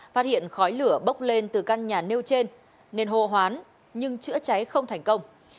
phát hiện khói lửa bốc lên từ căn nhà nêu trên nên hô hoán nhưng chữa cháy không thành công